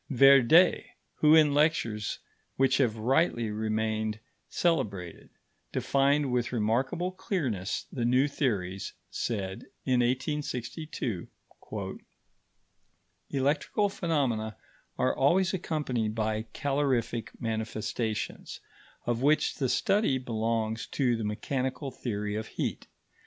Verdet, who, in lectures which have rightly remained celebrated, defined with remarkable clearness the new theories, said, in 1862: "Electrical phenomena are always accompanied by calorific manifestations, of which the study belongs to the mechanical theory of heat.